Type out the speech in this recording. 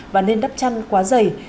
và nên đắp chăn quá dày